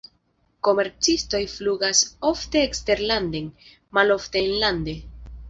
Komercistoj flugas ofte eksterlanden, malofte enlande.